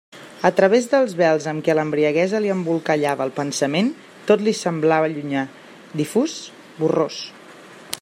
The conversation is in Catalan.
A través dels vels amb què l'embriaguesa li embolcallava el pensament, tot li semblava llunyà, difús, borrós.